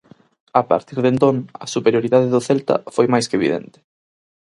A partir de entón, a superioridade do Celta foi máis que evidente.